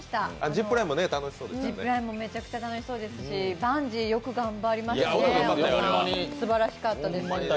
ジップラインもめちゃくちゃ楽しそうですし、バンジーよく頑張りましたね、すばらしかったです。